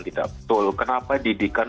tidak betul kenapa didikati